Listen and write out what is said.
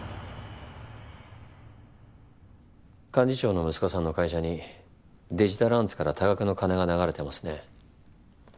幹事長の息子さんの会社にデジタルアンツから多額の金が流れてますね。